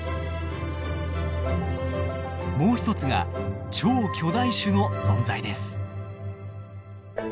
もう一つが超巨大種の存在です。